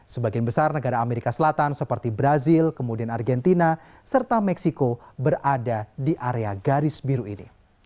sebagian besar negara amerika selatan seperti brazil kemudian argentina serta meksiko berada di area garis biru ini